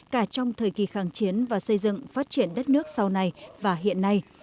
cả trong thời kỳ kháng chiến và xây dựng phát triển đất nước sau này và hiện nay